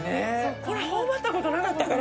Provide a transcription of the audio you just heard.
頬張ったことなかったから。